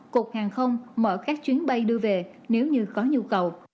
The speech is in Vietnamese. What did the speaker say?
cục hàng không mở các chuyến bay đưa về nếu như có nhu cầu